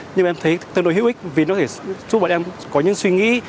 nhưng em thấy tương đối hữu ích vì nó có thể giúp bọn em có những suy nghĩ